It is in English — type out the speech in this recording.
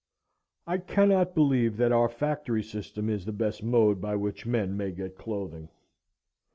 I cannot believe that our factory system is the best mode by which men may get clothing.